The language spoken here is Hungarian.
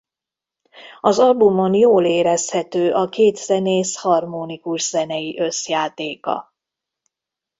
Az albumon jól érezhető a két zenész harmonikus zenei összjátéka.